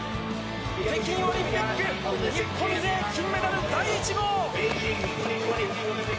北京オリンピック日本勢金メダル第１号！